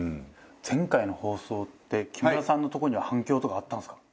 前回の放送って木村さんのとこには反響とかあったんですか？